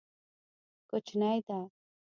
کوچنی ده.